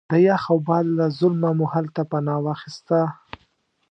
د یخ او باد له ظلمه مو هلته پناه واخسته.